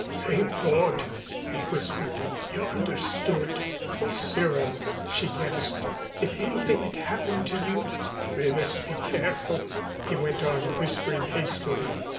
"Thank God," he whispered, "you understood." "Oh, Cyril," she gasped, "if anything had happened to you " "We must be careful," he went on, whispering hastily.